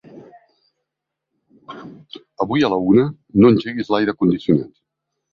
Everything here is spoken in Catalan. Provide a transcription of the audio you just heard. Avui a la una no engeguis l'aire condicionat.